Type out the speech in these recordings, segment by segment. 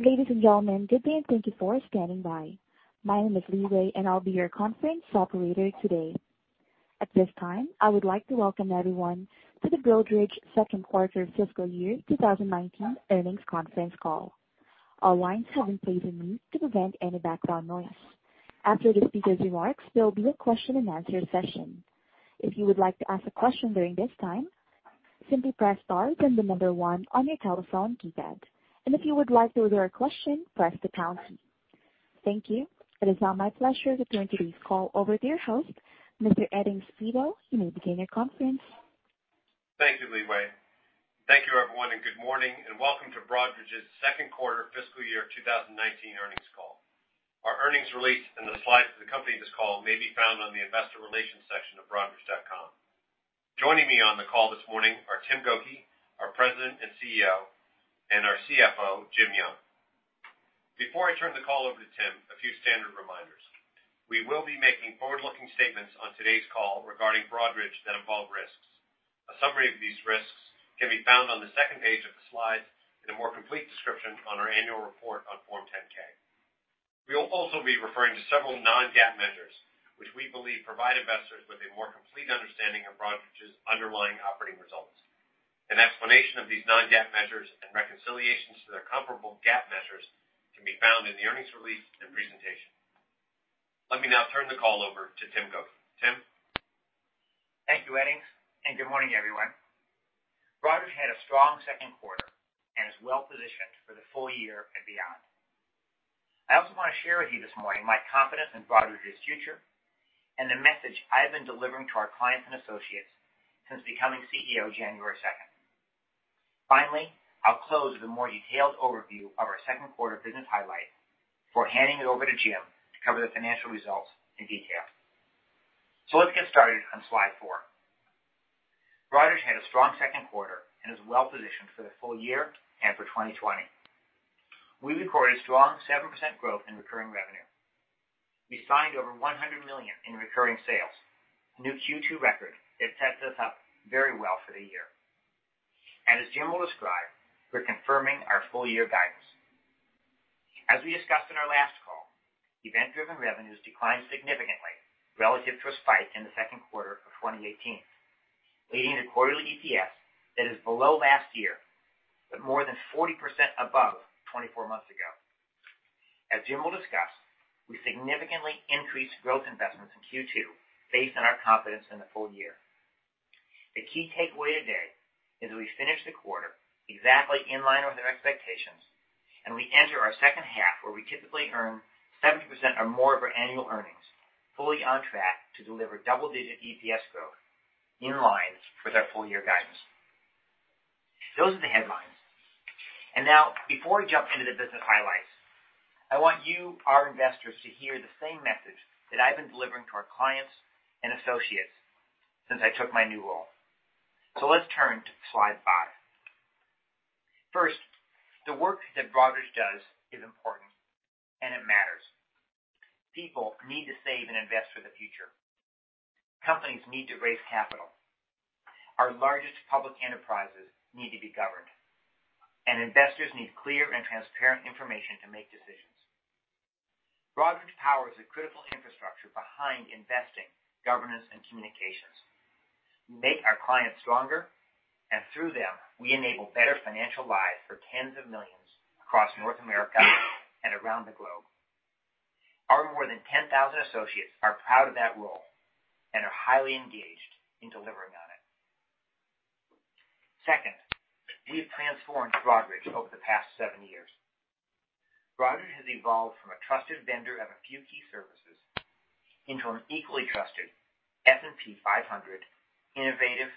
Ladies and gentlemen, good day and thank you for standing by. My name is Leeway, and I'll be your conference operator today. At this time, I would like to welcome everyone to the Broadridge second quarter fiscal year 2019 earnings conference call. All lines have been placed on mute to prevent any background noise. After the speaker's remarks, there will be a question and answer session. If you would like to ask a question during this time, simply press star, then the number one on your telephone keypad. If you would like to withdraw a question, press the pound key. Thank you. It is now my pleasure to turn today's call over to your host, Mr. Edings Thibault. You may begin your conference. Thank you, Leeway. Thank you everyone, and good morning and welcome to Broadridge's second quarter fiscal year 2019 earnings call. Our earnings release and the slides that accompany this call may be found on the investor relations section of broadridge.com. Joining me on the call this morning are Tim Gokey, our President and CEO, and our CFO, Jim Young. Before I turn the call over to Tim, a few standard reminders. We will be making forward-looking statements on today's call regarding Broadridge that involve risks. A summary of these risks can be found on the second page of the slides in a more complete description on our annual report on Form 10-K. We will also be referring to several non-GAAP measures, which we believe provide investors with a more complete understanding of Broadridge's underlying operating results. An explanation of these non-GAAP measures and reconciliations to their comparable GAAP measures can be found in the earnings release and presentation. Let me now turn the call over to Tim Gokey. Tim? Thank you, Edings, and good morning, everyone. Broadridge had a strong second quarter and is well-positioned for the full year and beyond. I also want to share with you this morning my confidence in Broadridge's future and the message I've been delivering to our clients and associates since becoming CEO January 2nd. Finally, I'll close with a more detailed overview of our second quarter business highlights before handing it over to Jim to cover the financial results in detail. Let's get started on slide four. Broadridge had a strong second quarter and is well-positioned for the full year and for 2020. We recorded strong 7% growth in recurring revenue. We signed over $100 million in recurring sales, a new Q2 record that sets us up very well for the year. As Jim will describe, we're confirming our full-year guidance. As we discussed on our last call, event-driven revenues declined significantly relative to a spike in the second quarter of 2018, leading to quarterly EPS that is below last year, but more than 40% above 24 months ago. As Jim will discuss, we significantly increased growth investments in Q2 based on our confidence in the full year. The key takeaway today is that we finished the quarter exactly in line with our expectations, and we enter our second half, where we typically earn 70% or more of our annual earnings, fully on track to deliver double-digit EPS growth in line with our full-year guidance. Now, before we jump into the business highlights, I want you, our investors, to hear the same message that I've been delivering to our clients and associates since I took my new role. Let's turn to slide five. First, the work that Broadridge does is important, and it matters. People need to save and invest for the future. Companies need to raise capital. Our largest public enterprises need to be governed, and investors need clear and transparent information to make decisions. Broadridge powers the critical infrastructure behind investing, governance, and communications. We make our clients stronger, and through them, we enable better financial lives for tens of millions across North America and around the globe. Our more than 10,000 associates are proud of that role and are highly engaged in delivering on it. Second, we've transformed Broadridge over the past seven years. Broadridge has evolved from a trusted vendor of a few key services into an equally trusted S&P 500 innovative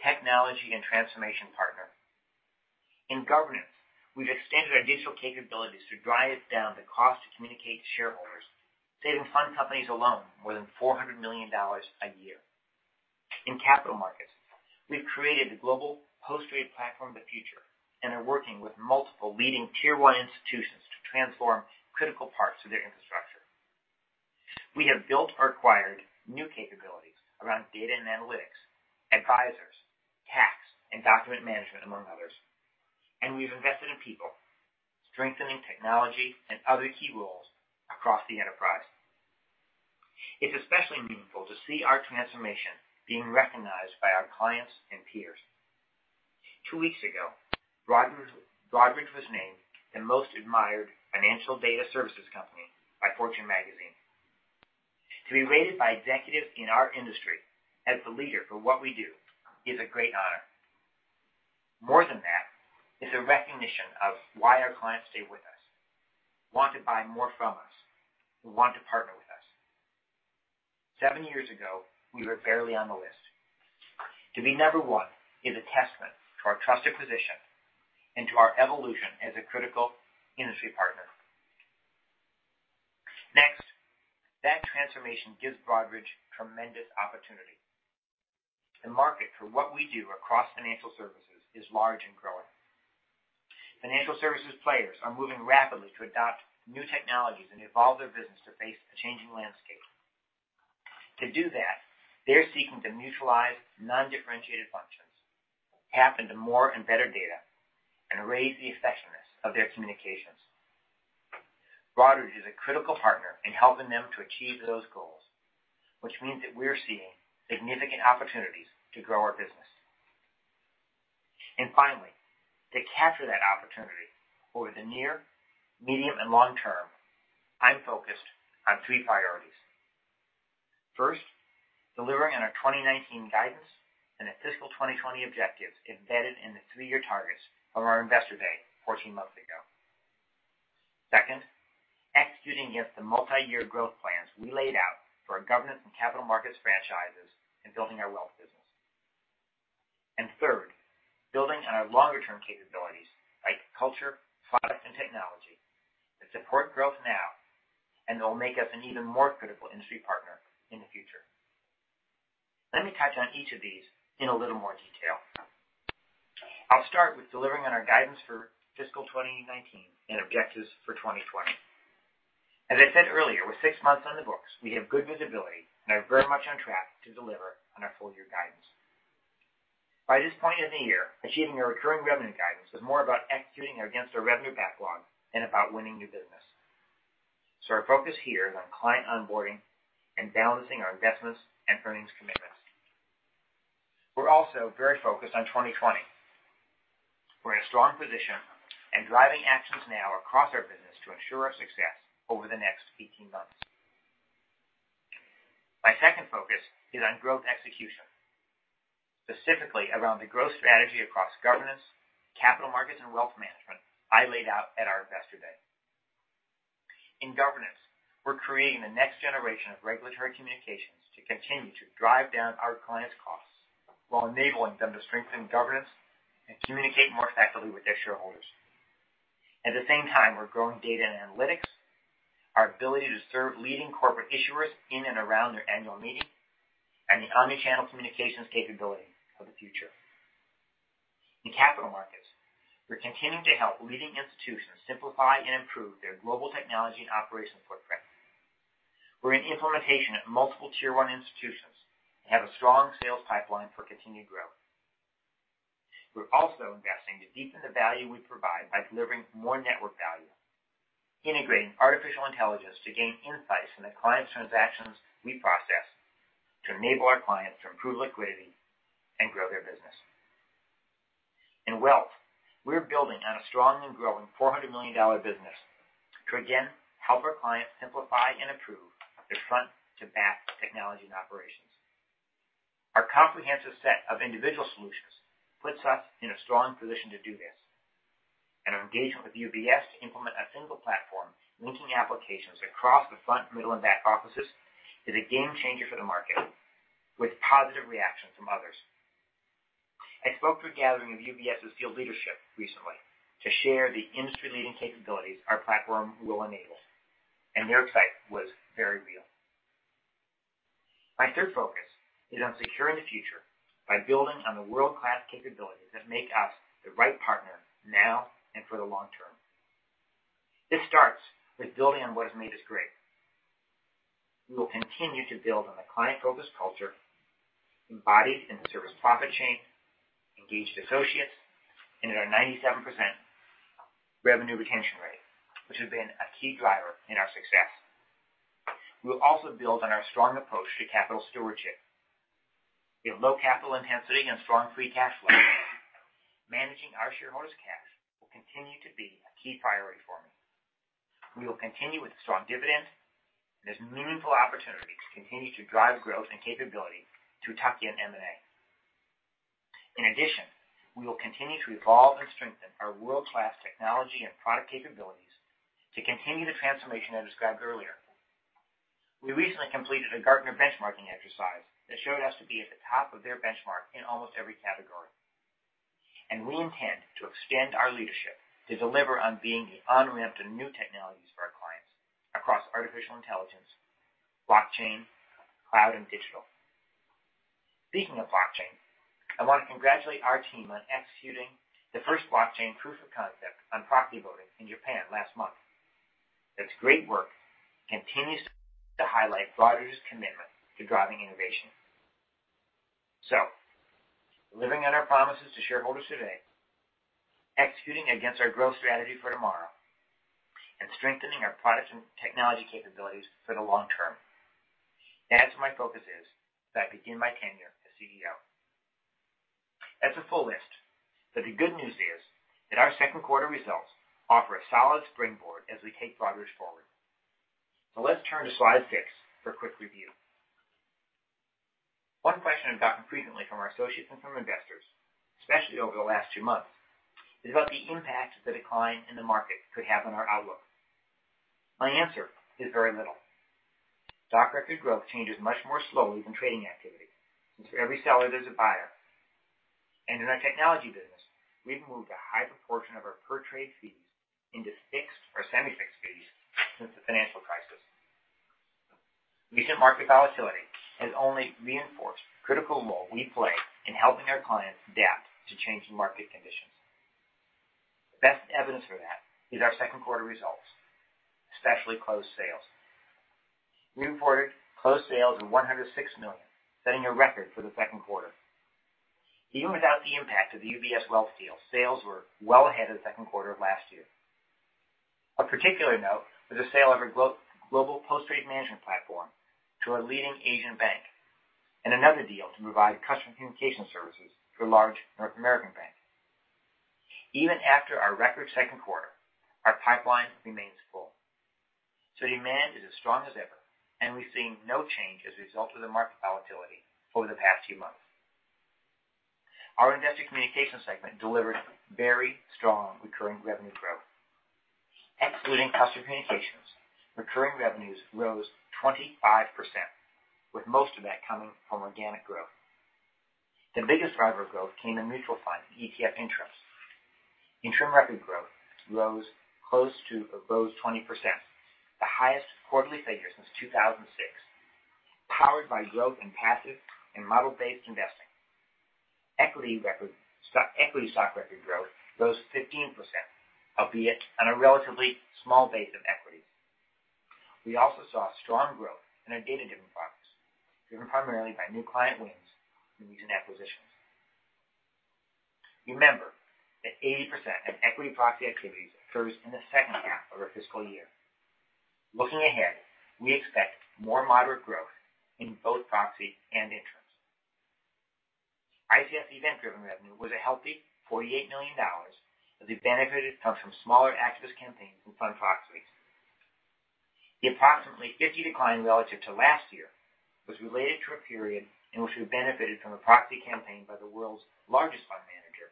technology and transformation partner. In governance, we've extended our digital capabilities to drive down the cost to communicate to shareholders, saving fund companies alone more than $400 million a year. In capital markets, we've created the global post-trade platform of the future and are working with multiple leading tier 1 institutions to transform critical parts of their infrastructure. We have built or acquired new capabilities around data and analytics, advisors, tax, and document management, among others. We've invested in people, strengthening technology and other key roles across the enterprise. It's especially meaningful to see our transformation being recognized by our clients and peers. Two weeks ago, Broadridge was named the most admired financial data services company by Fortune Magazine. To be rated by executives in our industry as the leader for what we do is a great honor. More than that, it's a recognition of why our clients stay with us, want to buy more from us, and want to partner with us. Seven years ago, we were barely on the list. To be number 1 is a testament to our trusted position and to our evolution as a critical industry partner. Next, that transformation gives Broadridge tremendous opportunity. The market for what we do across financial services is large and growing. Financial services players are moving rapidly to adopt new technologies and evolve their business to face a changing landscape. To do that, they're seeking to neutralize non-differentiated functions, tap into more and better data, and raise the effectiveness of their communications. Broadridge is a critical partner in helping them to achieve those goals, which means that we're seeing significant opportunities to grow our business. Finally, to capture that opportunity over the near, medium, and long term, I'm focused on three priorities. First, delivering on our 2019 guidance and the fiscal 2020 objectives embedded in the three-year targets of our Investor Day 14 months ago. Second, executing against the multi-year growth plans we laid out for our governance and capital markets franchises in building our wealth business. Third, building on our longer-term capabilities like culture, product, and technology that support growth now and will make us an even more critical industry partner in the future. Let me touch on each of these in a little more detail. I'll start with delivering on our guidance for fiscal 2019 and objectives for 2020. As I said earlier, with six months on the books, we have good visibility and are very much on track to deliver on our full-year guidance. By this point in the year, achieving our recurring revenue guidance is more about executing against our revenue backlog than about winning new business. Our focus here is on client onboarding and balancing our investments and earnings commitments. We're also very focused on 2020. We're in a strong position and driving actions now across our business to ensure our success over the next 18 months. My second focus is on growth execution, specifically around the growth strategy across governance, capital markets, and wealth management I laid out at our Investor Day. In governance, we're creating the next generation of regulatory communications to continue to drive down our clients' costs while enabling them to strengthen governance and communicate more effectively with their shareholders. At the same time, we're growing data and analytics, our ability to serve leading corporate issuers in and around their annual meeting, and the omni-channel communications capability of the future. In capital markets, we're continuing to help leading institutions simplify and improve their global technology and operation footprint. We're in implementation at multiple Tier 1 institutions and have a strong sales pipeline for continued growth. We're also investing to deepen the value we provide by delivering more network value, integrating artificial intelligence to gain insights into clients' transactions we process, to enable our clients to improve liquidity and grow their business. In wealth, we're building on a strong and growing $400 million business to again help our clients simplify and improve their front to back technology and operations. Our comprehensive set of individual solutions puts us in a strong position to do this. Our engagement with UBS to implement a single platform linking applications across the front, middle, and back offices is a game changer for the market with positive reactions from others. I spoke to a gathering of UBS's field leadership recently to share the industry-leading capabilities our platform will enable, and their excitement was very real. My third focus is on securing the future by building on the world-class capabilities that make us the right partner now and for the long term. This starts with building on what has made us great. We will continue to build on the client-focused culture embodied in the service-profit chain, engaged associates, and in our 97% revenue retention rate, which has been a key driver in our success. We will also build on our strong approach to capital stewardship. We have low capital intensity and strong free cash flow. Managing our shareholders' cash will continue to be a key priority for me. We will continue with a strong dividend, there's meaningful opportunities to continue to drive growth and capability through tuck-in M&A. In addition, we will continue to evolve and strengthen our world-class technology and product capabilities to continue the transformation I described earlier. We recently completed a Gartner benchmarking exercise that showed us to be at the top of their benchmark in almost every category, and we intend to extend our leadership to deliver on being the on-ramp to new technologies for our clients across artificial intelligence, blockchain, cloud, and digital. Speaking of blockchain, I want to congratulate our team on executing the first blockchain proof of concept on proxy voting in Japan last month. It's great work and continues to highlight Broadridge's commitment to driving innovation. Delivering on our promises to shareholders today, executing against our growth strategy for tomorrow, and strengthening our products and technology capabilities for the long term. That's where my focus is as I begin my tenure as CEO. The good news is that our second quarter results offer a solid springboard as we take Broadridge forward. Let's turn to slide six for a quick review. One question I've gotten frequently from our associates and from investors, especially over the last two months, is about the impact the decline in the market could have on our outlook. My answer is very little. Stock record growth changes much more slowly than trading activity, since for every seller, there's a buyer. In our technology business, we've moved a high proportion of our per-trade fees into fixed or semi-fixed fees since the financial crisis. Recent market volatility has only reinforced the critical role we play in helping our clients adapt to changing market conditions. The best evidence for that is our second quarter results, especially closed sales. We reported closed sales of $106 million, setting a record for the second quarter. Even without the impact of the UBS Wealth deal, sales were well ahead of the second quarter of last year. Of particular note was the sale of our Global Post-Trade Management platform to a leading Asian bank, and another deal to provide customer communication services to a large North American bank. Even after our record second quarter, our pipeline remains full. The demand is as strong as ever, and we've seen no change as a result of the market volatility over the past few months. Our Investor Communications segment delivered very strong recurring revenue growth. Excluding Customer Communications, recurring revenues rose 25%, with most of that coming from organic growth. The biggest driver of growth came in mutual fund and ETF interest. Interim record growth rose close to above 20%, the highest quarterly figure since 2006, powered by growth in passive and model-based investing. Equity stock record growth rose 15%, albeit on a relatively small base of equities. We also saw strong growth in our data-driven products, driven primarily by new client wins from recent acquisitions. Remember that 80% of equity proxy activity occurs in the second half of our fiscal year. Looking ahead, we expect more moderate growth in both proxy and interest. ICS event-driven revenue was a healthy $48 million, as we benefited from some smaller activist campaigns and fund proxies. The approximately 50% decline relative to last year was related to a period in which we benefited from a proxy campaign by the world's largest fund manager,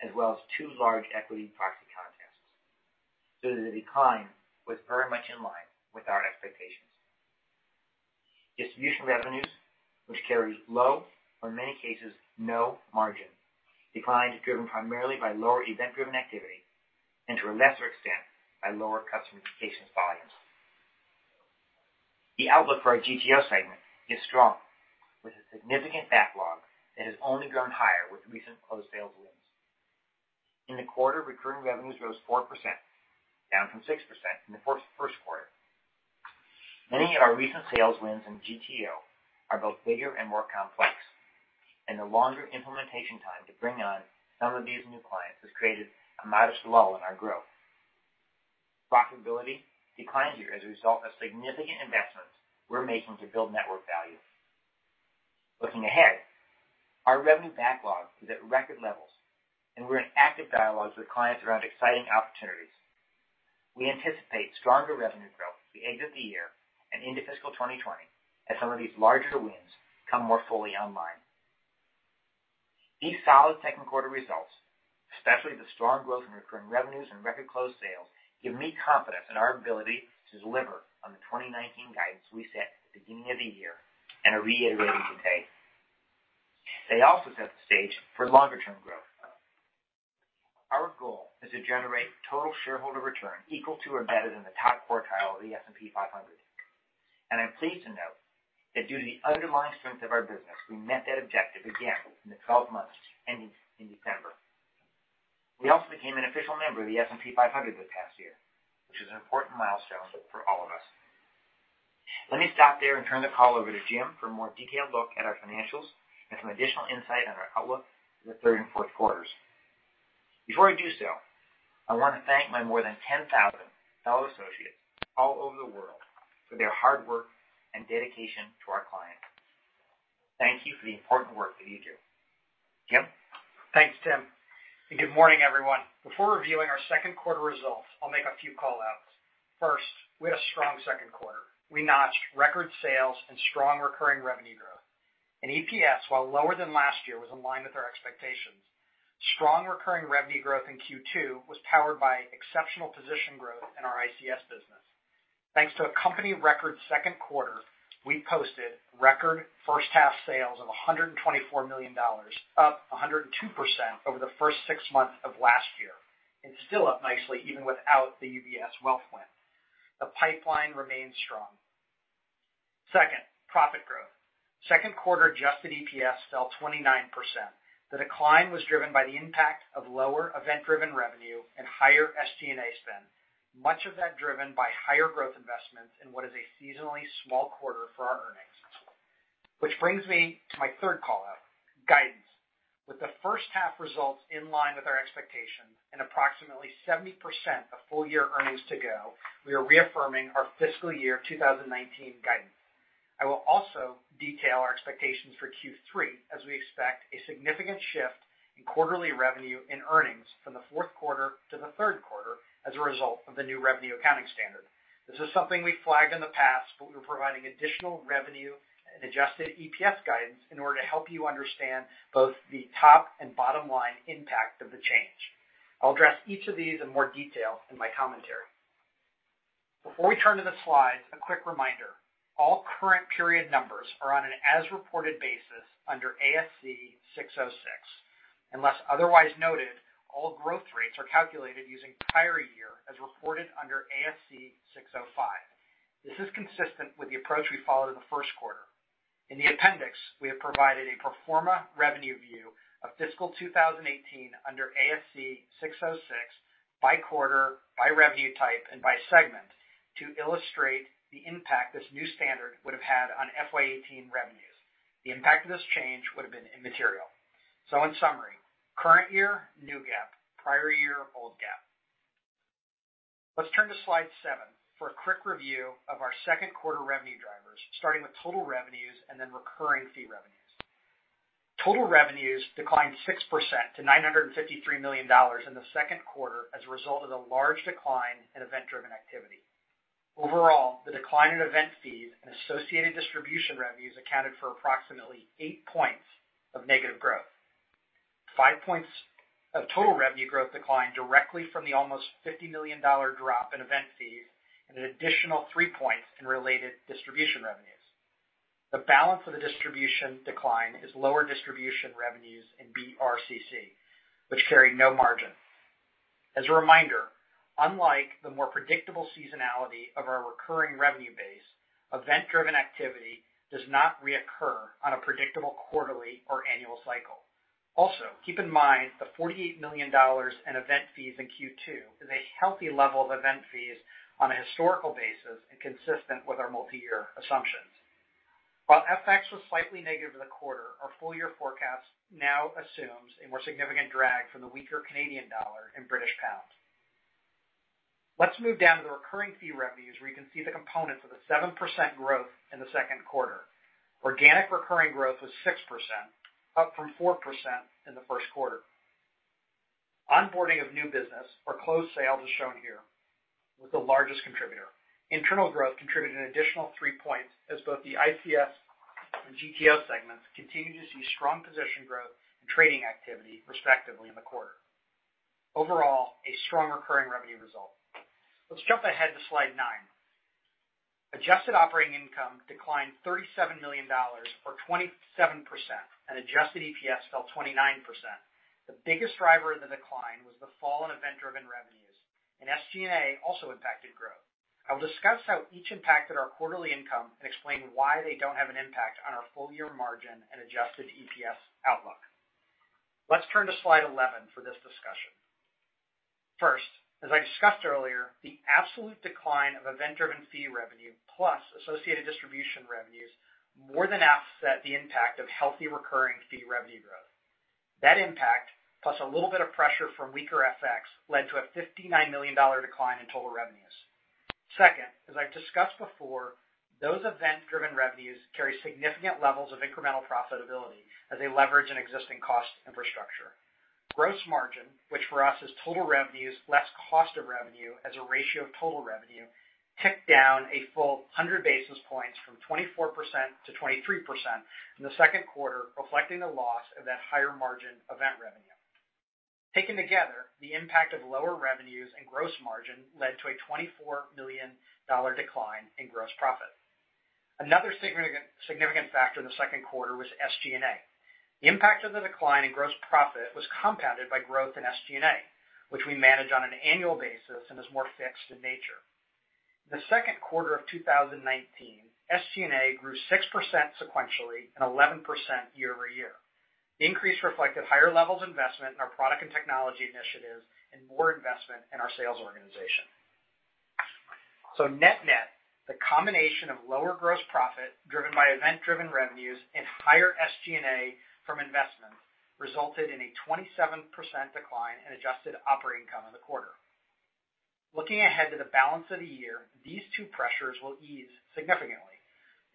as well as two large equity proxy contests. The decline was very much in line with our expectations. Distribution revenues, which carries low, or in many cases, no margin, declined, driven primarily by lower event-driven activity, and to a lesser extent, by lower customer communications volumes. The outlook for our GTO segment is strong, with a significant backlog that has only grown higher with recent closed sales wins. In the quarter, recurring revenues rose 4%, down from 6% in the first quarter. Many of our recent sales wins in GTO are both bigger and more complex. The longer implementation time to bring on some of these new clients has created a modest lull in our growth. Profitability declined here as a result of significant investments we're making to build network value. Looking ahead, our revenue backlog is at record levels, and we're in active dialogues with clients around exciting opportunities. We anticipate stronger revenue growth at the end of the year and into fiscal 2020, as some of these larger wins come more fully online. These solid second quarter results, especially the strong growth in recurring revenues and record closed sales, give me confidence in our ability to deliver on the 2019 guidance we set at the beginning of the year and are reiterating today. They also set the stage for longer-term growth. Our goal is to generate total shareholder return equal to or better than the top quartile of the S&P 500. I'm pleased to note that due to the underlying strength of our business, we met that objective again in the 12 months ending in December. We also became an official member of the S&P 500 this past year, which is an important milestone for all of us. Let me stop there and turn the call over to Jim for a more detailed look at our financials and some additional insight on our outlook for the third and fourth quarters. Before I do so, I want to thank my more than 10,000 fellow associates all over the world for their hard work and dedication to our clients. Thank you for the important work that you do. Jim? Thanks, Tim, and good morning, everyone. Before reviewing our second quarter results, I'll make a few call-outs. First, we had a strong second quarter. We notched record sales and strong recurring revenue growth. EPS, while lower than last year, was in line with our expectations. Strong recurring revenue growth in Q2 was powered by exceptional position growth in our ICS business. Thanks to a company record second quarter, we posted record first half sales of $124 million, up 102% over the first six months of last year, and still up nicely even without the UBS Wealth win. The pipeline remains strong. Second, profit growth. Second quarter adjusted EPS fell 29%. The decline was driven by the impact of lower event-driven revenue and higher SG&A spend, much of that driven by higher growth investments in what is a seasonally small quarter for our earnings. Brings me to my third call-out, guidance. With the first half results in line with our expectations and approximately 70% of full year earnings to go, we are reaffirming our fiscal year 2019 guidance. I will also detail our expectations for Q3, as we expect a significant shift in quarterly revenue and earnings from the fourth quarter to the third quarter as a result of the new revenue accounting standard. This is something we flagged in the past, but we're providing additional revenue and adjusted EPS guidance in order to help you understand both the top and bottom line impact of the change. I'll address each of these in more detail in my commentary. Before we turn to the slides, a quick reminder. All current period numbers are on an as reported basis under ASC 606. Unless otherwise noted, all growth rates are calculated using prior year as reported under ASC 605. This is consistent with the approach we followed in the first quarter. In the appendix, we have provided a pro forma revenue view of fiscal 2018 under ASC 606 by quarter, by revenue type, and by segment to illustrate the impact this new standard would have had on FY 2018 revenues. The impact of this change would have been immaterial. In summary, current year, new GAAP, prior year, old GAAP. Let's turn to slide seven for a quick review of our second quarter revenue drivers, starting with total revenues and then recurring fee revenues. Total revenues declined 6% to $953 million in the second quarter as a result of the large decline in event-driven activity. Overall, the decline in event fees and associated distribution revenues accounted for approximately eight points of negative growth. Five points of total revenue growth declined directly from the almost $50 million drop in event fees, and an additional three points in related distribution revenues. The balance of the distribution decline is lower distribution revenues in BRCC, which carry no margin. As a reminder, unlike the more predictable seasonality of our recurring revenue base, event-driven activity does not reoccur on a predictable quarterly or annual cycle. Keep in mind the $48 million in event fees in Q2 is a healthy level of event fees on a historical basis and consistent with our multi-year assumptions. While FX was slightly negative in the quarter, our full-year forecast now assumes a more significant drag from the weaker Canadian dollar and British pound. Let's move down to the recurring fee revenues, where you can see the components of the 7% growth in the second quarter. Organic recurring growth was 6%, up from 4% in the first quarter. Onboarding of new business or closed sales is shown here, was the largest contributor. Internal growth contributed an additional three points as both the ICS and GTO segments continue to see strong position growth and trading activity respectively in the quarter. A strong recurring revenue result. Let's jump ahead to slide nine. Adjusted operating income declined $37 million or 27%, and adjusted EPS fell 29%. The biggest driver of the decline was the fall in event-driven revenues. SG&A also impacted growth. I will discuss how each impacted our quarterly income and explain why they don't have an impact on our full-year margin and adjusted EPS outlook. Let's turn to slide 11 for this discussion. First, as I discussed earlier, the absolute decline of event-driven fee revenue plus associated distribution revenues more than offset the impact of healthy recurring fee revenue growth. That impact, plus a little bit of pressure from weaker FX, led to a $59 million decline in total revenues. Second, as I've discussed before, those event-driven revenues carry significant levels of incremental profitability as they leverage an existing cost infrastructure. Gross margin, which for us is total revenues less cost of revenue as a ratio of total revenue, ticked down a full 100 basis points from 24% to 23% in the second quarter, reflecting the loss of that higher margin event revenue. Taken together, the impact of lower revenues and gross margin led to a $24 million decline in gross profit. Another significant factor in the second quarter was SG&A. The impact of the decline in gross profit was compounded by growth in SG&A, which we manage on an annual basis and is more fixed in nature. The second quarter of 2019, SG&A grew 6% sequentially and 11% year-over-year. The increase reflected higher levels of investment in our product and technology initiatives and more investment in our sales organization. Net-net, the combination of lower gross profit driven by event-driven revenues and higher SG&A from investment resulted in a 27% decline in adjusted operating income in the quarter. Looking ahead to the balance of the year, these two pressures will ease significantly.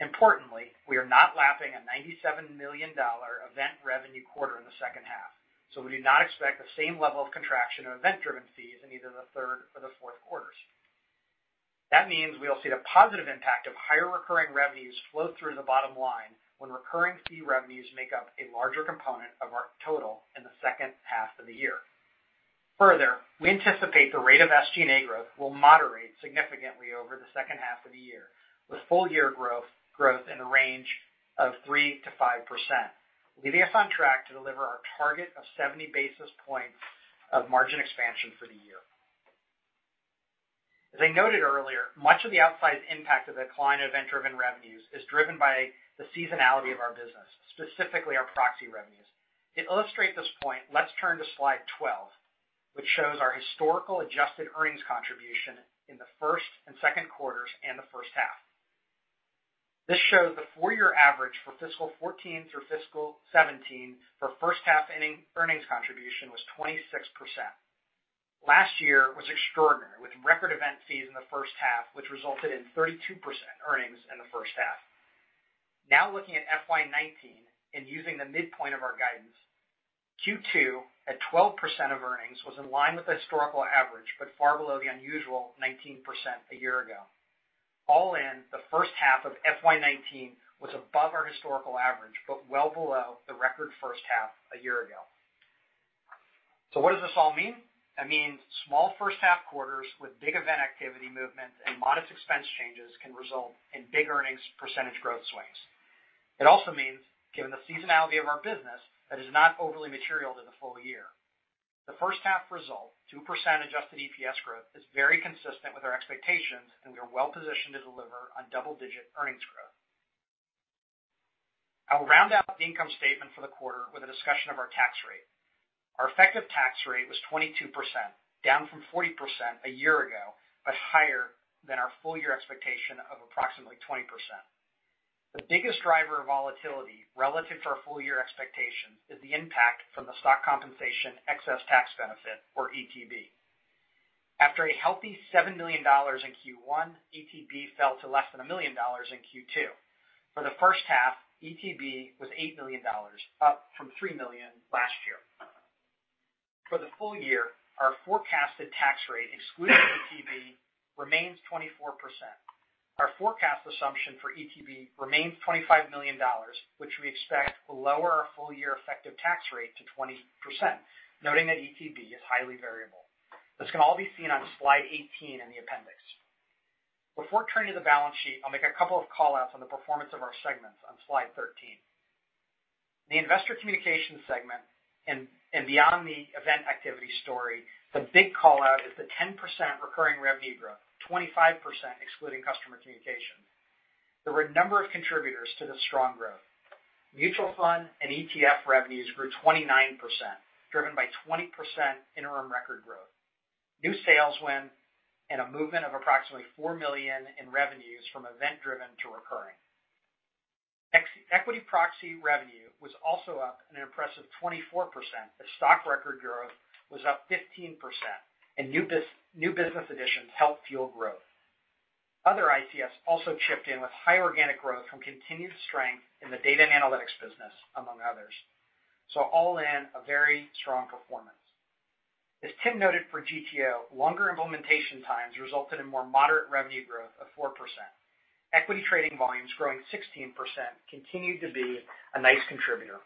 Importantly, we are not lapping a $97 million event revenue quarter in the second half, so we do not expect the same level of contraction of event-driven fees in either the third or the fourth quarters. That means we'll see the positive impact of higher recurring revenues flow through the bottom line when recurring fee revenues make up a larger component of our total in the second half of the year. Further, we anticipate the rate of SG&A growth will moderate significantly over the second half of the year, with full-year growth in the range of 3%-5%, leaving us on track to deliver our target of 70 basis points of margin expansion for the year. As I noted earlier, much of the outsized impact of the decline of event-driven revenues is driven by the seasonality of our business, specifically our proxy revenues. To illustrate this point, let's turn to slide 12, which shows our historical adjusted earnings contribution in the first and second quarters and the first half. This shows the four-year average for fiscal 2014 through fiscal 2017 for first half earnings contribution was 26%. Last year was extraordinary, with record event fees in the first half, which resulted in 32% earnings in the first half. Looking at FY 2019 and using the midpoint of our guidance, Q2 at 12% of earnings was in line with the historical average, but far below the unusual 19% a year ago. All in, the first half of FY 2019 was above our historical average, but well below the record first half a year ago. What does this all mean? It means small first half quarters with big event activity movement and modest expense changes can result in big earnings percentage growth swings. It also means, given the seasonality of our business, that is not overly material to the full year. The first half result, 2% adjusted EPS growth, is very consistent with our expectations, and we are well-positioned to deliver on double-digit earnings growth. I will round out the income statement for the quarter with a discussion of our tax rate. Our effective tax rate was 22%, down from 40% a year ago, but higher than our full-year expectation of approximately 20%. The biggest driver of volatility relative to our full-year expectations is the impact from the stock compensation Excess Tax Benefit or ETB. After a healthy $7 million in Q1, ETB fell to less than $1 million in Q2. For the first half, ETB was $8 million, up from $3 million last year. For the full year, our forecasted tax rate, exclusive of ETB, remains 24%. Our forecast assumption for ETB remains $25 million, which we expect will lower our full-year effective tax rate to 20%, noting that ETB is highly variable. This can all be seen on slide 18 in the appendix. Before turning to the balance sheet, I'll make a couple of call-outs on the performance of our segments on slide 13. The Investor Communications segment and beyond the event activity story, the big call-out is the 10% recurring revenue growth, 25% excluding Customer Communications. There were a number of contributors to this strong growth. Mutual fund and ETF revenues grew 29%, driven by 20% interim record growth, new sales win, and a movement of approximately $4 million in revenues from event-driven to recurring. Equity proxy revenue was also up an impressive 24%, as stock record growth was up 15%, and new business additions helped fuel growth. Other ICS also chipped in with high organic growth from continued strength in the data and analytics business, among others. All in, a very strong performance. As Tim noted for GTO, longer implementation times resulted in more moderate revenue growth of 4%. Equity trading volumes growing 16% continued to be a nice contributor.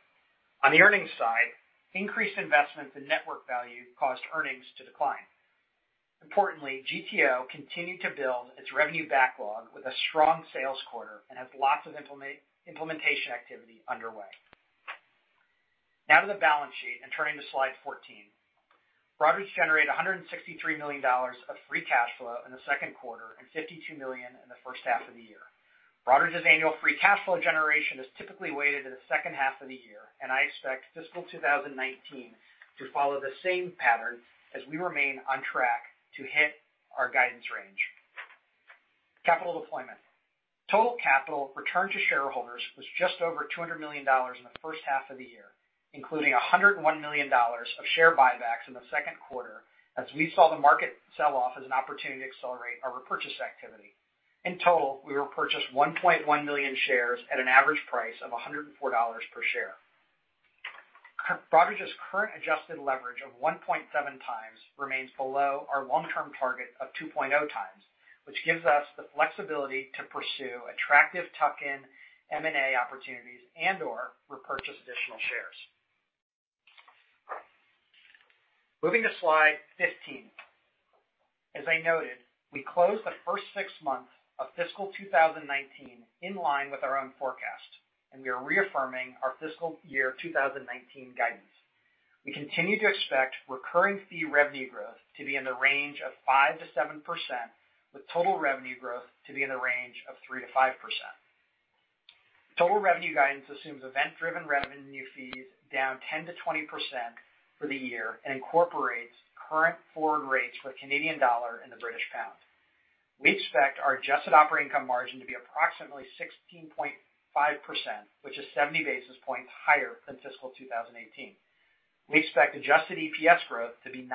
On the earnings side, increased investment in network value caused earnings to decline. Importantly, GTO continued to build its revenue backlog with a strong sales quarter and has lots of implementation activity underway. Now to the balance sheet and turning to slide 14. Broadridge generated $163 million of free cash flow in the second quarter and $52 million in the first half of the year. Broadridge's annual free cash flow generation is typically weighted in the second half of the year, and I expect fiscal 2019 to follow the same pattern as we remain on track to hit our guidance range. Capital deployment. Total capital return to shareholders was just over $200 million in the first half of the year, including $101 million of share buybacks in the second quarter as we saw the market sell-off as an opportunity to accelerate our repurchase activity. In total, we repurchased 1.1 million shares at an average price of $104 per share. Broadridge's current adjusted leverage of 1.7 times remains below our long-term target of 2.0 times, which gives us the flexibility to pursue attractive tuck-in M&A opportunities and/or repurchase additional shares. Moving to slide 15. As I noted, we closed the first six months of fiscal 2019 in line with our own forecast, and we are reaffirming our fiscal year 2019 guidance. We continue to expect recurring fee revenue growth to be in the range of 5%-7%, with total revenue growth to be in the range of 3%-5%. Total revenue guidance assumes event-driven revenue fees down 10%-20% for the year and incorporates current forward rates for the Canadian dollar and the British pound. We expect our adjusted operating income margin to be approximately 16.5%, which is 70 basis points higher than fiscal 2018. We expect adjusted EPS growth to be 9%-13%.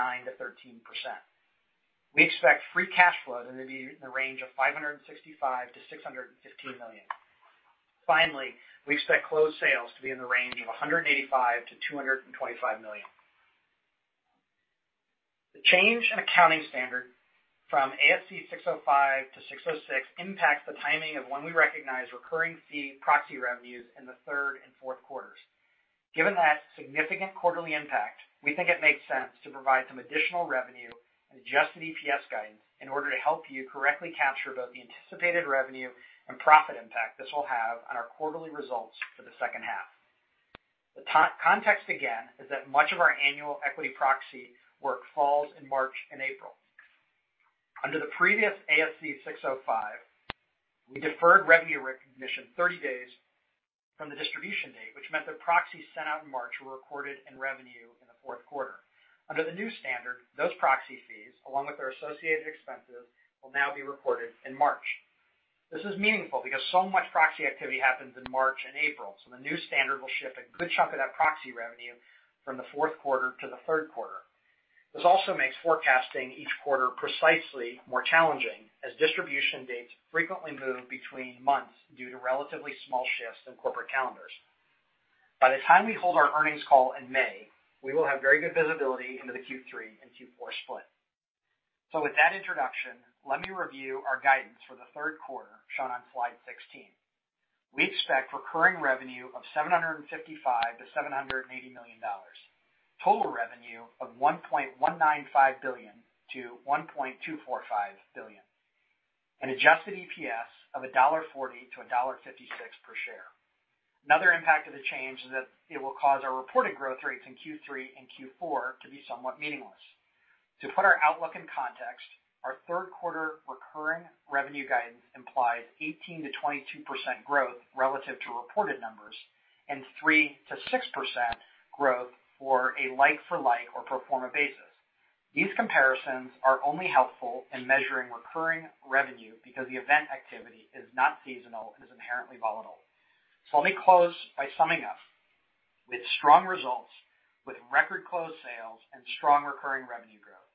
We expect free cash flow to be in the range of $565 million-$615 million. Finally, we expect closed sales to be in the range of $185 million-$225 million. The change in accounting standard from ASC 605 to 606 impacts the timing of when we recognize recurring fee proxy revenues in the third and fourth quarters. Given that significant quarterly impact, we think it makes sense to provide some additional revenue and adjusted EPS guidance in order to help you correctly capture both the anticipated revenue and profit impact this will have on our quarterly results for the second half. The context again is that much of our annual equity proxy work falls in March and April. Under the previous ASC 605, we deferred revenue recognition 30 days from the distribution date, which meant that proxies sent out in March were recorded in revenue in the fourth quarter. Those proxy fees, along with their associated expenses, will now be recorded in March. This is meaningful because so much proxy activity happens in March and April, the new standard will ship a good chunk of that proxy revenue from the fourth quarter to the third quarter. This also makes forecasting each quarter precisely more challenging, as distribution dates frequently move between months due to relatively small shifts in corporate calendars. By the time we hold our earnings call in May, we will have very good visibility into the Q3 and Q4 split. With that introduction, let me review our guidance for the third quarter, shown on slide 16. We expect recurring revenue of $755 million-$780 million, total revenue of $1.195 billion-$1.245 billion. Adjusted EPS of $1.40-$1.56 per share. Another impact of the change is that it will cause our reported growth rates in Q3 and Q4 to be somewhat meaningless. To put our outlook in context, our third quarter recurring revenue guidance implies 18%-22% growth relative to reported numbers, and 3%-6% growth for a like for like or pro forma basis. These comparisons are only helpful in measuring recurring revenue because the event activity is not seasonal and is inherently volatile. Let me close by summing up. With strong results, with record closed sales, and strong recurring revenue growth.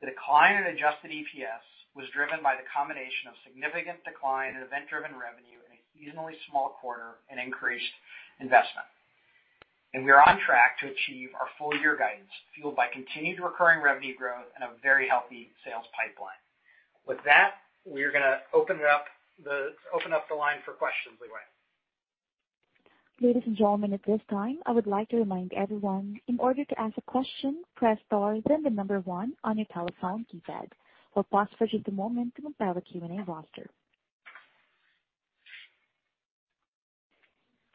The decline in adjusted EPS was driven by the combination of significant decline in event-driven revenue in a seasonally small quarter and increased investment. We are on track to achieve our full-year guidance, fueled by continued recurring revenue growth and a very healthy sales pipeline. With that, we are going to open up the line for questions, Leeway. Ladies and gentlemen, at this time, I would like to remind everyone, in order to ask a question, press star, then the number one on your telephone keypad. We will pause for just a moment to compile a Q&A roster.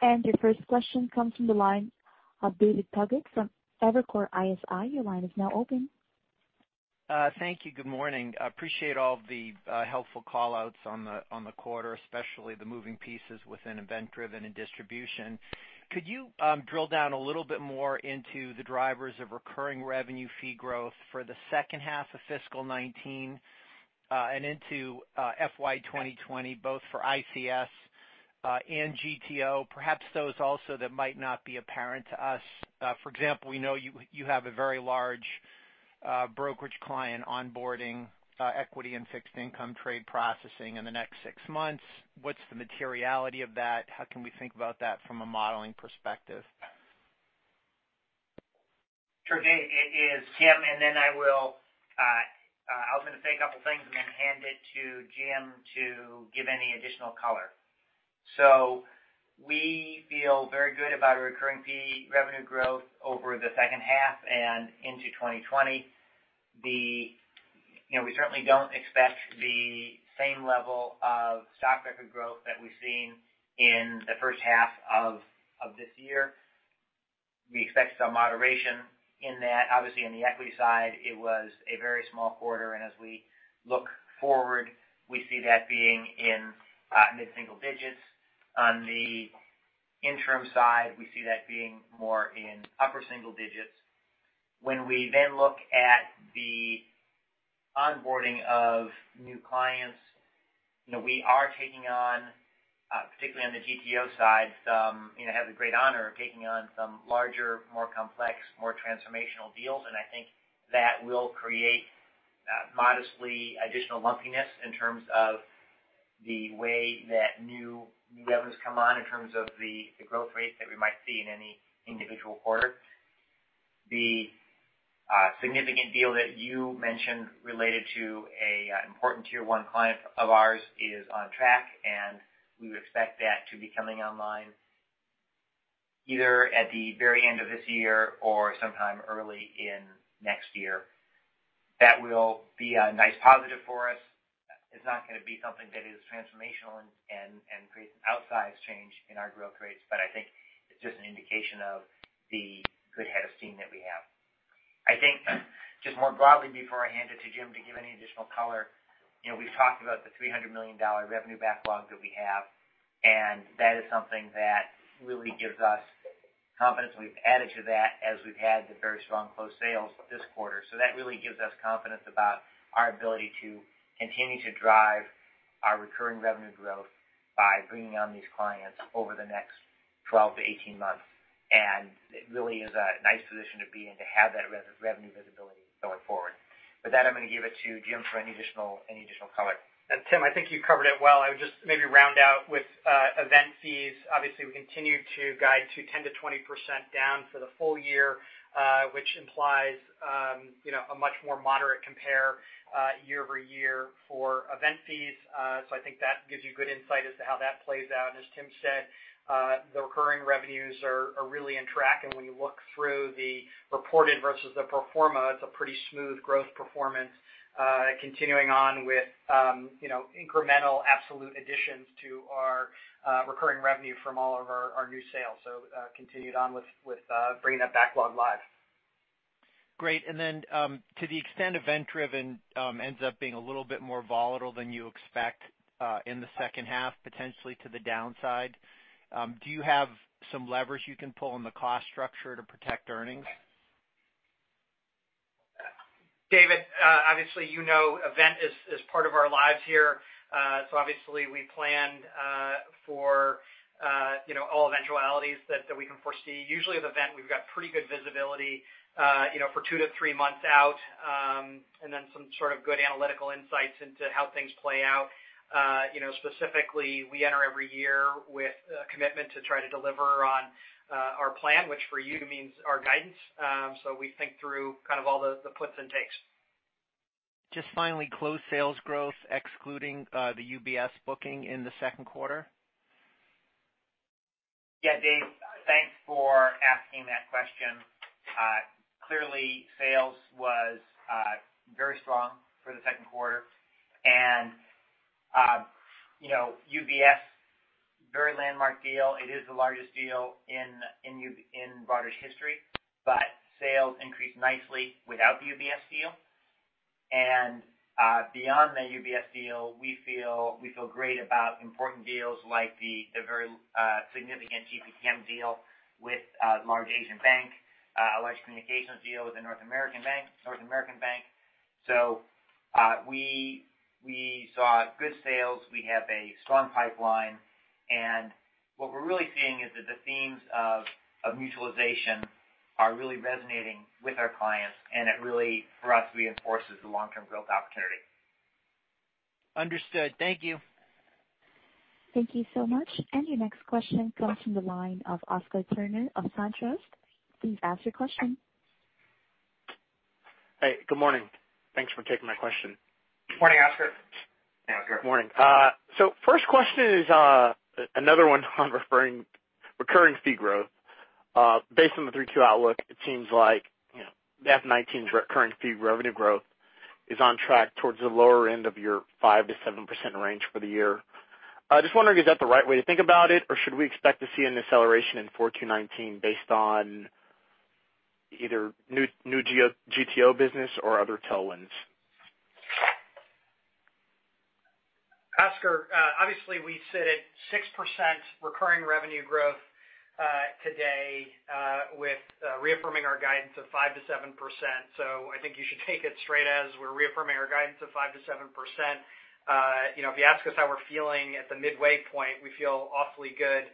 Your first question comes from the line of David Togut from Evercore ISI. Your line is now open. Thank you. Good morning. I appreciate all of the helpful call-outs on the quarter, especially the moving pieces within event driven and distribution. Could you drill down a little bit more into the drivers of recurring revenue fee growth for the second half of fiscal 2019, and into FY 2020, both for ICS and GTO? Perhaps those also that might not be apparent to us. For example, we know you have a very large brokerage client onboarding equity and fixed income trade processing in the next six months. What is the materiality of that? How can we think about that from a modeling perspective? Sure, Dave. It is Tim, and then I was going to say a couple of things and then hand it to Jim to give any additional color. We feel very good about our recurring fee revenue growth over the second half and into 2020. We certainly do not expect the same level of stock record growth that we have seen in the first half of this year. We expect some moderation in that. Obviously, on the equity side, it was a very small quarter, and as we look forward, we see that being in mid-single digits. On the interim side, we see that being more in upper-single digits. When we then look at the onboarding of new clients, we are taking on, particularly on the GTO side, have the great honor of taking on some larger, more complex, more transformational deals. I think that will create modestly additional lumpiness in terms of the way that new revenues come on in terms of the growth rates that we might see in any individual quarter. The significant deal that you mentioned related to an important Tier 1 client of ours is on track, and we would expect that to be coming online either at the very end of this year or sometime early in next year. That will be a nice positive for us. It's not going to be something that is transformational and creates an outsize change in our growth rates, I think it's just an indication of the good head of steam that we have. I think just more broadly, before I hand it to Jim to give any additional color, we've talked about the $300 million revenue backlog that we have, that is something that really gives us confidence, and we've added to that as we've had the very strong closed sales this quarter. That really gives us confidence about our ability to continue to drive our recurring revenue growth by bringing on these clients over the next 12-18 months. It really is a nice position to be in to have that revenue visibility going forward. With that, I'm going to give it to Jim for any additional color. Tim, I think you covered it well. I would just maybe round out with event fees. Obviously, we continue to guide to 10%-20% down for the full year, which implies a much more moderate compare year-over-year for event fees. I think that gives you good insight as to how that plays out. As Tim said, the recurring revenues are really on track. When you look through the reported versus the pro forma, it's a pretty smooth growth performance, continuing on with incremental absolute additions to our recurring revenue from all of our new sales. Continued on with bringing that backlog live. Great. Then, to the extent event driven ends up being a little bit more volatile than you expect in the second half, potentially to the downside, do you have some levers you can pull in the cost structure to protect earnings? David, obviously, you know event is part of our lives here. Obviously we plan for all eventualities that we can foresee. Usually with event, we've got pretty good visibility for two to three months out, and then some sort of good analytical insights into how things play out. Specifically, we enter every year with a commitment to try to deliver on our plan, which for you means our guidance. We think through kind of all the puts and takes. Just finally, closed sales growth excluding the UBS booking in the second quarter? Yeah, Dave, thanks for asking that question. Clearly, sales was very strong for the second quarter. UBS, very landmark deal. It is the largest deal in Broadridge history. Sales increased nicely without the UBS deal. Beyond the UBS deal, we feel great about important deals like the very significant GPTM deal with a large Asian bank, a large communications deal with a North American bank. We saw good sales. We have a strong pipeline, and what we're really seeing is that the themes of mutualization are really resonating with our clients, and it really, for us, reinforces the long-term growth opportunity. Understood. Thank you. Thank you so much. Your next question comes from the line of Oscar Turner of SunTrust. Please ask your question. Hey, good morning. Thanks for taking my question. Morning, Oscar. Yeah, Oscar. Morning. First question is another one on recurring fee growth. Based on the 3Q outlook, it seems like FY 2019's recurring fee revenue growth is on track towards the lower end of your 5%-7% range for the year. Just wondering, is that the right way to think about it, or should we expect to see an acceleration in 4Q 2019 based on either new GTO business or other tailwinds? Oscar, obviously we sit at 6% recurring revenue growth today with reaffirming our guidance of 5%-7%. I think you should take it straight as we're reaffirming our guidance of 5%-7%. If you ask us how we're feeling at the midway point, we feel awfully good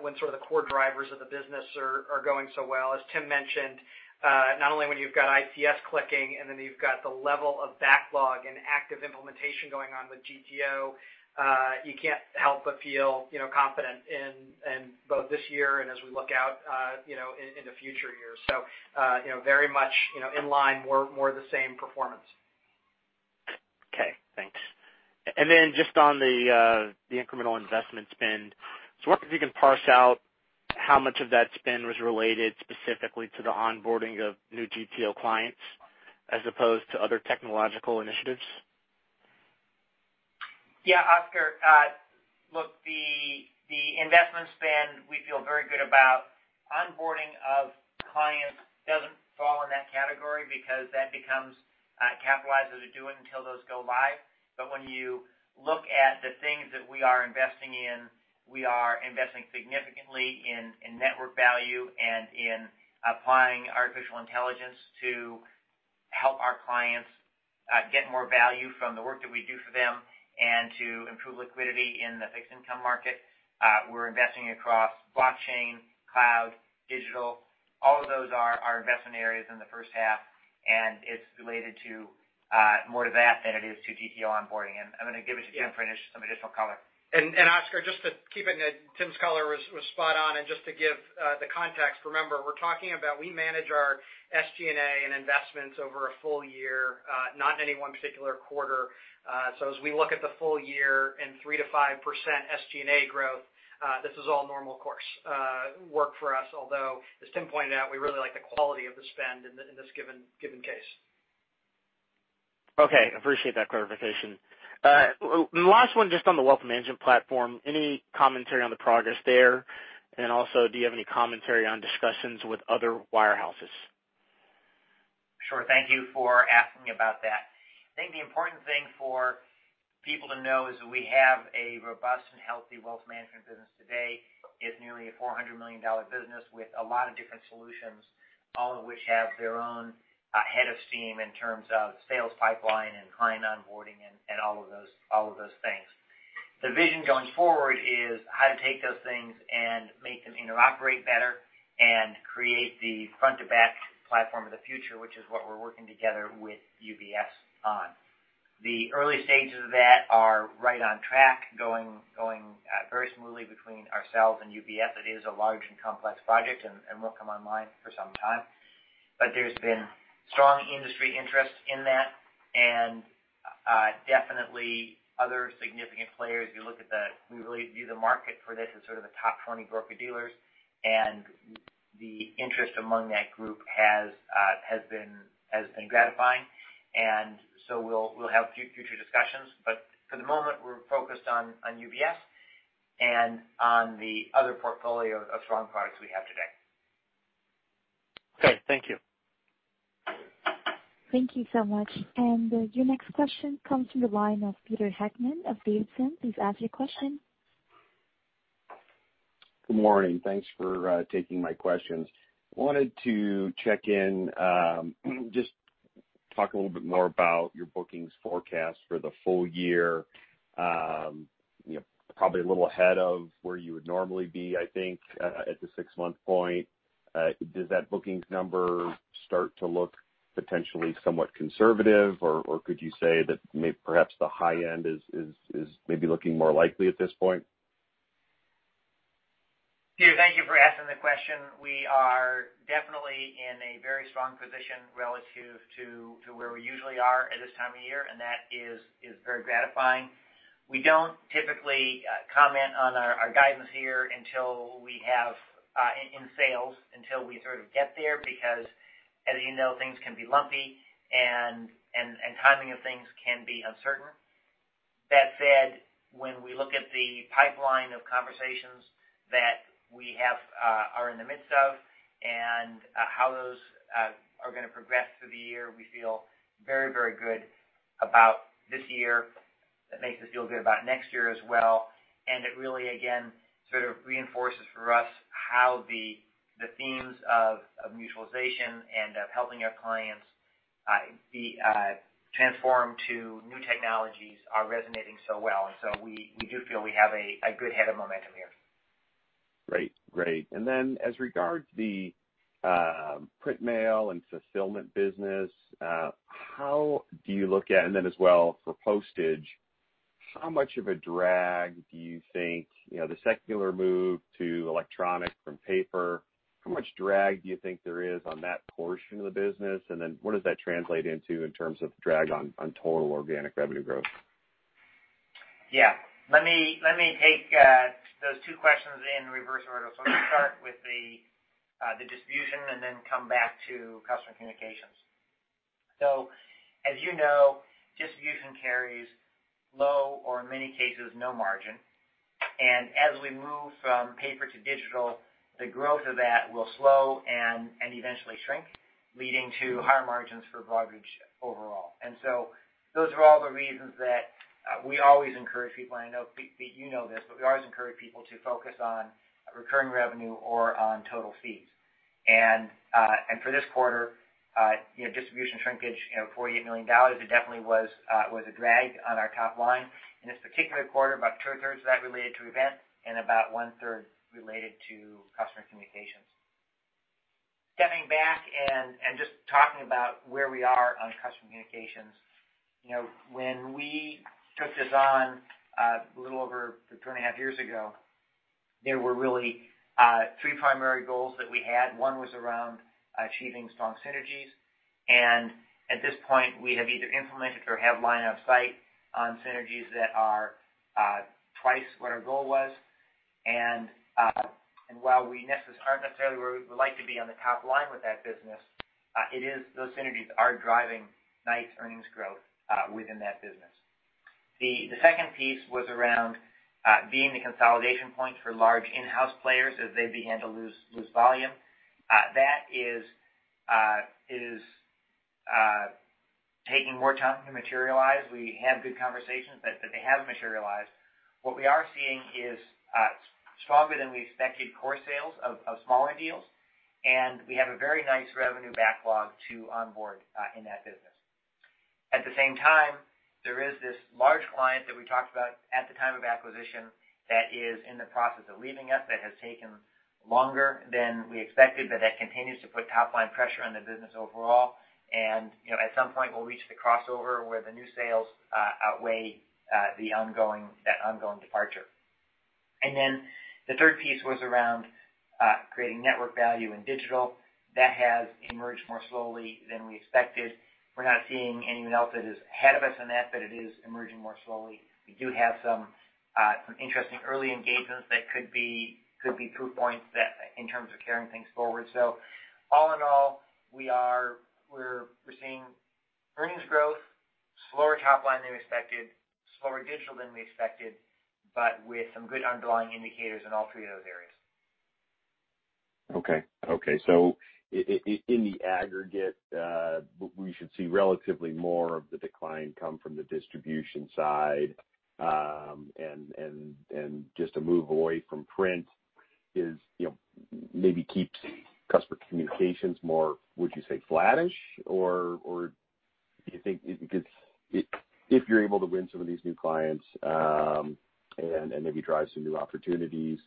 when sort of the core drivers of the business are going so well. As Tim mentioned, not only when you've got ICS clicking and then you've got the level of backlog and active implementation going on with GTO, you can't help but feel confident in both this year and as we look out in the future years. Very much in line, more of the same performance. Okay, thanks. Just on the incremental investment spend. I was wondering if you can parse out how much of that spend was related specifically to the onboarding of new GTO clients as opposed to other technological initiatives. Yeah, Oscar. Look, the investment spend we feel very good about. Onboarding of clients doesn't fall in that category because that becomes capitalized as a do it until those go live. When you look at the things that we are investing in, we are investing significantly in network value and in applying artificial intelligence to help our clients get more value from the work that we do for them and to improve liquidity in the fixed income market. We're investing across blockchain, cloud, digital. All of those are our investment areas in the first half, and it's related more to that than it is to GTO onboarding. I'm going to give it to Jim for some additional color. Oscar, just to keep it, Tim's color was spot on, just to give the context. Remember, we're talking about we manage our SG&A and investments over a full year, not any one particular quarter. As we look at the full year and 3%-5% SG&A growth, this is all normal course work for us, although, as Tim pointed out, we really like the quality of the spend in this given case. Okay, appreciate that clarification. Last one, just on the wealth management platform, any commentary on the progress there? Also, do you have any commentary on discussions with other wire houses? Sure. Thank you for asking about that. I think the important thing for people to know is that we have a robust and healthy wealth management business today. It's nearly a $400 million business with a lot of different solutions, all of which have their own head of steam in terms of sales pipeline and client onboarding and all of those things. The vision going forward is how to take those things and make them interoperate better and create the front-to-back platform of the future, which is what we're working together with UBS on. The early stages of that are right on track, going very smoothly between ourselves and UBS. It is a large and complex project and won't come online for some time. There's been strong industry interest in that and definitely other significant players. We really view the market for this as sort of the top 20 broker-dealers, the interest among that group has been gratifying. We'll have future discussions, but for the moment, we're focused on UBS and on the other portfolio of strong products we have today. Okay, thank you. Thank you so much. Your next question comes from the line of Peter Heckmann of Davidson. Please ask your question. Good morning. Thanks for taking my questions. Wanted to check in, just talk a little bit more about your bookings forecast for the full year. Probably a little ahead of where you would normally be, I think, at the six-month point. Does that bookings number start to look potentially somewhat conservative, or could you say that perhaps the high end is maybe looking more likely at this point? Thank you for asking the question. We are definitely in a very strong position relative to where we usually are at this time of year, and that is very gratifying. We don't typically comment on our guidance here in sales until we sort of get there, because, as you know, things can be lumpy and timing of things can be uncertain. That said, when we look at the pipeline of conversations that we are in the midst of and how those are going to progress through the year, we feel very good about this year. That makes us feel good about next year as well, and it really, again, sort of reinforces for us how the themes of mutualization and of helping our clients transform to new technologies are resonating so well. We do feel we have a good head of momentum here. Great. As regards the print, mail, and fulfillment business, and then as well for postage, the secular move to electronic from paper, how much drag do you think there is on that portion of the business? What does that translate into in terms of drag on total organic revenue growth? Yeah. Let me take those two questions in reverse order. Let me start with the distribution and then come back to Customer Communications. As you know, distribution carries low or in many cases no margin, and as we move from paper to digital, the growth of that will slow and eventually shrink, leading to higher margins for Broadridge overall. Those are all the reasons that we always encourage people, and I know, Pete, that you know this, but we always encourage people to focus on recurring revenue or on total fees. For this quarter, distribution shrinkage of $48 million, it definitely was a drag on our top line. In this particular quarter, about two-thirds of that related to event and about one-third related to Customer Communications. Stepping back and just talking about where we are on Customer Communications. When we took this on a little over three and a half years ago, there were really three primary goals that we had. One was around achieving strong synergies, and at this point, we have either implemented or have line of sight on synergies that are twice what our goal was. While we aren't necessarily where we would like to be on the top line with that business, those synergies are driving nice earnings growth within that business. The second piece was around being the consolidation point for large in-house players as they began to lose volume. That is taking more time to materialize. We have good conversations, but they haven't materialized. What we are seeing is stronger than we expected core sales of smaller deals, and we have a very nice revenue backlog to onboard in that business. At the same time, there is this large client that we talked about at the time of acquisition that is in the process of leaving us. That has taken longer than we expected, but that continues to put top-line pressure on the business overall. At some point, we'll reach the crossover where the new sales outweigh that ongoing departure. The third piece was around creating network value in digital. That has emerged more slowly than we expected. We're not seeing anyone else that is ahead of us on that, but it is emerging more slowly. We do have some interesting early engagements that could be proof points in terms of carrying things forward. All in all, we're seeing earnings growth, slower top line than we expected, slower digital than we expected, but with some good underlying indicators in all three of those areas. Okay. In the aggregate, we should see relatively more of the decline come from the distribution side. Just a move away from print maybe keeps customer communications more, would you say flattish? Do you think, if you're able to win some of these new clients and maybe drive some new opportunities,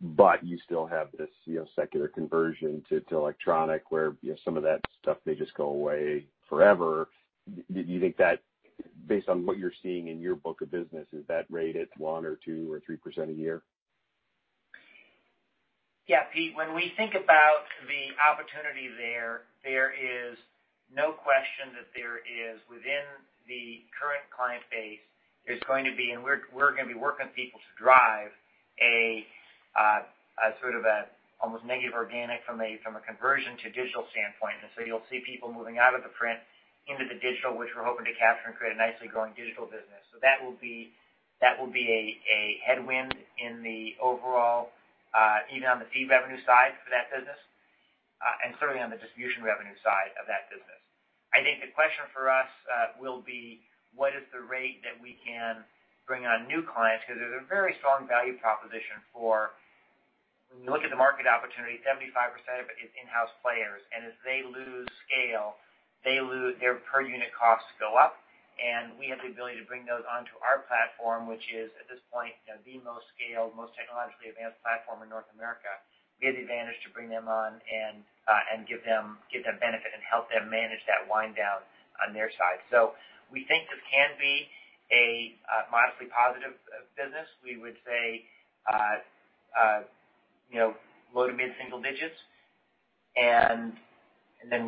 but you still have this secular conversion to electronic where some of that stuff may just go away forever. Do you think that based on what you're seeing in your book of business, is that rate at 1% or 2% or 3% a year? Yeah, Pete, when we think about the opportunity there is no question that there is within the current client base, there's going to be, and we're going to be working with people to drive a sort of almost negative organic from a conversion to digital standpoint. You'll see people moving out of the print into the digital, which we're hoping to capture and create a nicely growing digital business. That will be a headwind in the overall, even on the fee revenue side for that business, and certainly on the distribution revenue side of that business. I think the question for us will be what is the rate that we can bring on new clients? There's a very strong value proposition for when you look at the market opportunity, 75% of it is in-house players, and as they lose scale, their per unit costs go up, and we have the ability to bring those onto our platform, which is, at this point, the most scaled, most technologically advanced platform in North America. We have the ability to bring them on and give them benefit and help them manage that wind down on their side. We think this can be a modestly positive business. We would say low to mid single digits.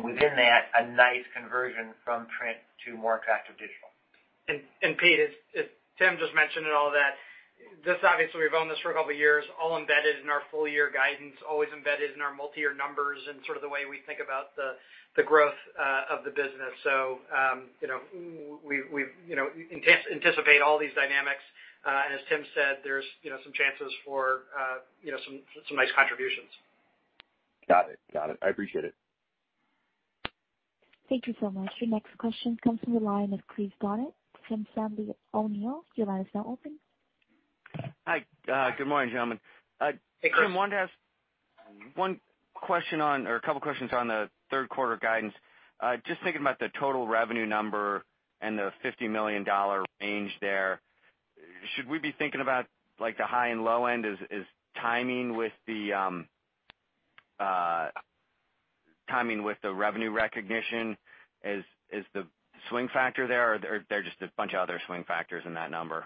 Within that, a nice conversion from print to more attractive digital. Pete, as Tim just mentioned and all that, obviously we've owned this for a couple of years, all embedded in our full year guidance, always embedded in our multi-year numbers and sort of the way we think about the growth of the business. We anticipate all these dynamics. As Tim said, there's some chances for some nice contributions. Got it. I appreciate it. Thank you so much. Your next question comes from the line of Chris Donat from Sandler O'Neill. Your line is now open. Hi. Good morning, gentlemen. Hey, Chris. Tim, wanted to ask one question on, or a couple questions on the third quarter guidance. Just thinking about the total revenue number and the $50 million range there. Should we be thinking about the high and low end as timing with the revenue recognition as the swing factor there? Or are there just a bunch of other swing factors in that number?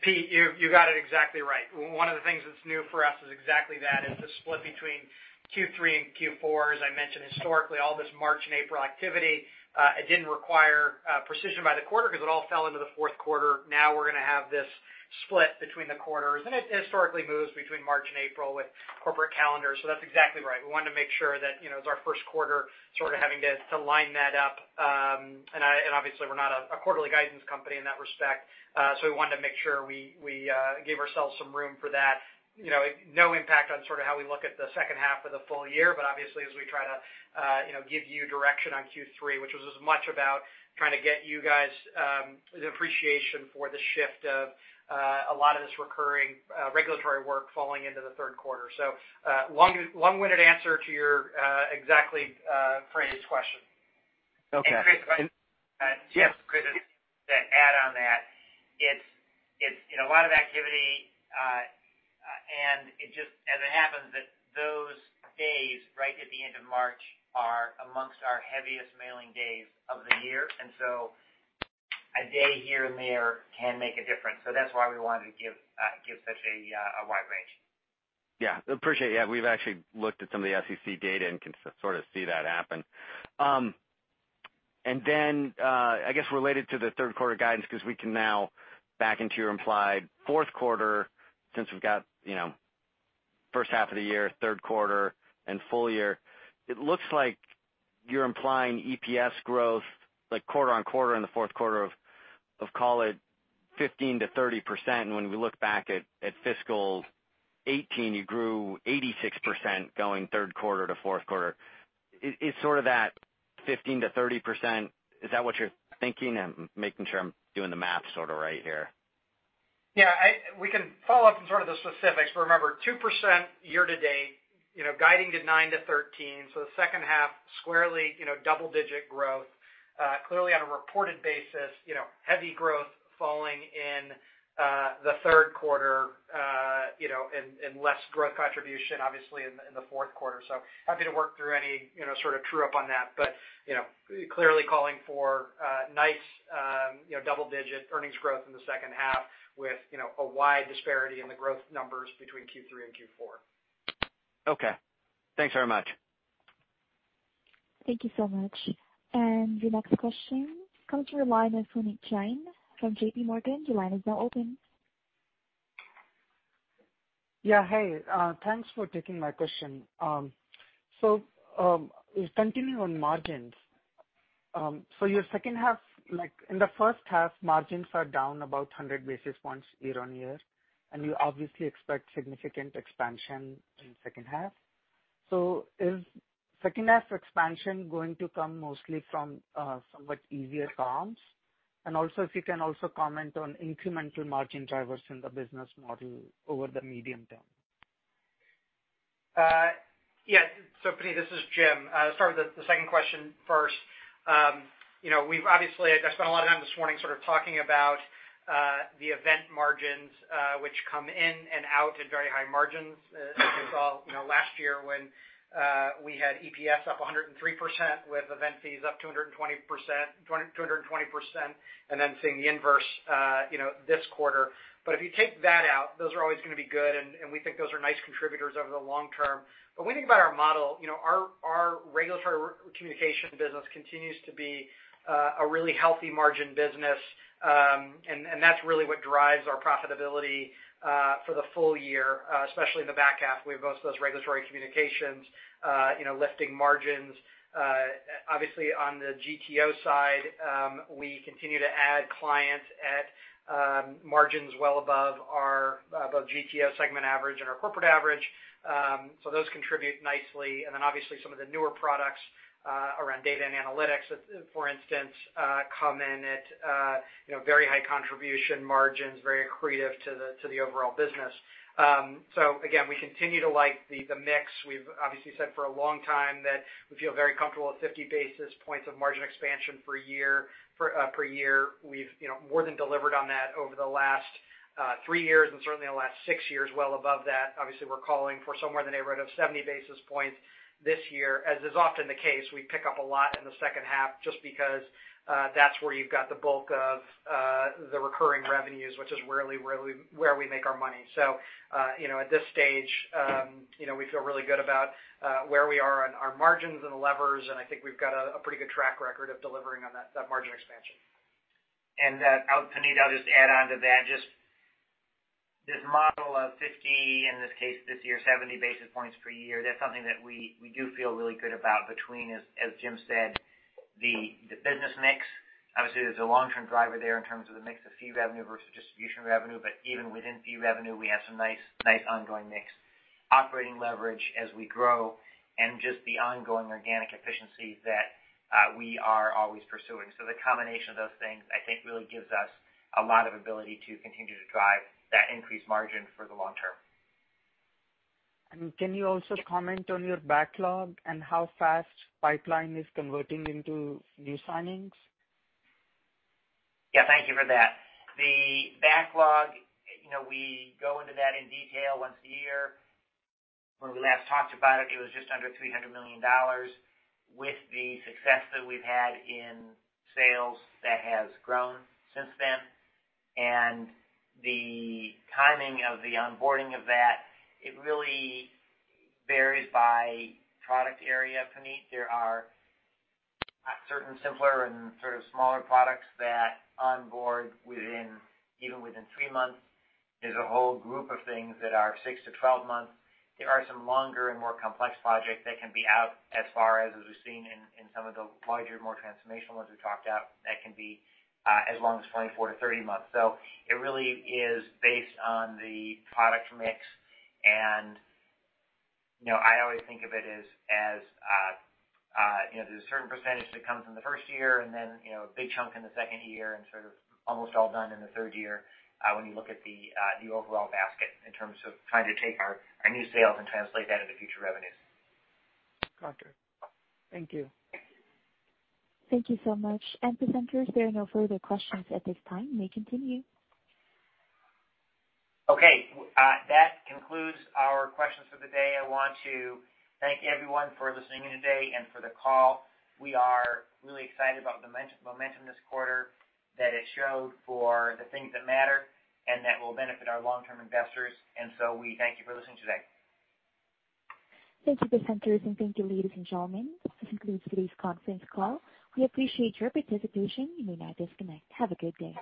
Pete, you got it exactly right. One of the things that's new for us is exactly that, is the split between Q3 and Q4. As I mentioned, historically, all this March and April activity, it didn't require precision by the quarter because it all fell into the fourth quarter. Now we're going to have this split between the quarters, and it historically moves between March and April with corporate calendars. That's exactly right. We wanted to make sure that, as our first quarter, sort of having to line that up. Obviously we're not a quarterly guidance company in that respect. We wanted to make sure we gave ourselves some room for that. No impact on sort of how we look at the second half of the full year. Obviously as we try to give you direction on Q3, which was as much about trying to get you guys the appreciation for the shift of a lot of this recurring regulatory work falling into the third quarter. Long-winded answer to your exactly phrased question. Okay. Chris. Yes. To add on that, it's a lot of activity, and it just as it happens that those days right at the end of March are amongst our heaviest mailing days of the year. A day here and there can make a difference. That's why we wanted to give such a wide range. Yeah. Appreciate it. We've actually looked at some of the SEC data and can sort of see that happen. Then, I guess related to the third quarter guidance, because we can now back into your implied fourth quarter, since we've got first half of the year, third quarter and full year. It looks like you're implying EPS growth like quarter-on-quarter in the fourth quarter of call it 15%-30%. When we look back at fiscal 2018, you grew 86% going third quarter to fourth quarter. Is sort of that 15%-30%, is that what you're thinking? I'm making sure I'm doing the math sort of right here. Yeah. We can follow up on sort of the specifics, remember, 2% year-to-date, guiding to 9-13. The second half squarely double-digit growth. Clearly on a reported basis, heavy growth falling in the third quarter, and less growth contribution obviously in the fourth quarter. Happy to work through any sort of true-up on that. Clearly calling for nice double-digit earnings growth in the second half with a wide disparity in the growth numbers between Q3 and Q4. Okay. Thanks very much. Thank you so much. Your next question comes from the line of Puneet Jain from JPMorgan. Your line is now open. Yeah. Hey, thanks for taking my question. Continuing on margins. Your second half, like in the first half, margins are down about 100 basis points year-on-year, and you obviously expect significant expansion in second half. Is second half expansion going to come mostly from somewhat easier comps? Also if you can also comment on incremental margin drivers in the business model over the medium term. Yeah. Puneet, this is Jim. I'll start with the second question first. I spent a lot of time this morning sort of talking about the event margins, which come in and out at very high margins. As you saw last year when we had EPS up 103% with event fees up 220%, then seeing the inverse this quarter. If you take that out, those are always going to be good, and we think those are nice contributors over the long term. When you think about our model, our regulatory communication business continues to be a really healthy margin business. That's really what drives our profitability for the full year, especially in the back half. We have most of those regulatory communications lifting margins. Obviously on the GTO side, we continue to add clients at margins well above our GTO segment average and our corporate average. Those contribute nicely. Then obviously some of the newer products around data and analytics, for instance, come in at very high contribution margins, very accretive to the overall business. Again, we continue to like the mix. We've obviously said for a long time that we feel very comfortable at 50 basis points of margin expansion per year. We've more than delivered on that over the last three years and certainly the last six years, well above that. Obviously, we're calling for somewhere in the neighborhood of 70 basis points this year. As is often the case, we pick up a lot in the second half just because that's where you've got the bulk of the recurring revenues, which is really where we make our money. At this stage, we feel really good about where we are on our margins and the levers, and I think we've got a pretty good track record of delivering on that margin expansion. Puneet, I'll just add on to that. This model of 50, in this case, this year, 70 basis points per year, that's something that we do feel really good about between, as Jim said, the business mix. Obviously, there's a long-term driver there in terms of the mix of fee revenue versus distribution revenue. Even within fee revenue, we have some nice ongoing mix. Operating leverage as we grow and just the ongoing organic efficiency that we are always pursuing. The combination of those things, I think, really gives us a lot of ability to continue to drive that increased margin for the long term. Can you also comment on your backlog and how fast pipeline is converting into new signings? Yeah, thank you for that. The backlog, we go into that in detail once a year. When we last talked about it was just under $300 million. With the success that we've had in sales, that has grown since then. The timing of the onboarding of that, it really varies by product area, Puneet. There are certain simpler and sort of smaller products that onboard even within three months. There's a whole group of things that are six to 12 months. There are some longer and more complex projects that can be out as far as we've seen in some of the larger, more transformational ones we talked about, that can be as long as 24-30 months. It really is based on the product mix. I always think of it as there's a certain percentage that comes in the first year and then a big chunk in the second year and sort of almost all done in the third year, when you look at the overall basket in terms of trying to take our new sales and translate that into future revenues. Gotcha. Thank you. Thank you so much. Presenters, there are no further questions at this time. You may continue. Okay. That concludes our questions for the day. I want to thank everyone for listening in today and for the call. We are really excited about the momentum this quarter that it showed for the things that matter and that will benefit our long-term investors. We thank you for listening today. Thank you, presenters, and thank you, ladies and gentlemen. This concludes today's conference call. We appreciate your participation. You may now disconnect. Have a good day.